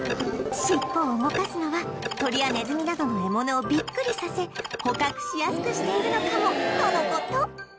しっぽを動かすのは鳥やネズミなどの獲物をビックリさせ捕獲しやすくしているのかもとの事